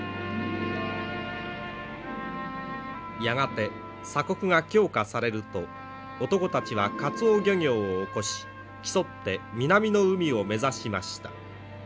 やがて鎖国が強化されると男たちはかつお漁業を興し競って南の海を目指しました。